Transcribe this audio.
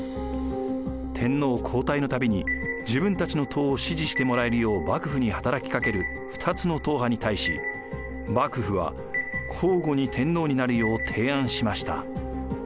天皇交代の度に自分たちの統を支持してもらえるよう幕府に働きかける二つの統派に対し幕府は交互に天皇になるよう提案しました。